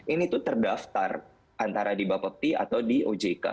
ini tuh terdaftar antara di bapepti atau di ojk